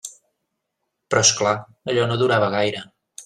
Però, és clar, allò no durava gaire.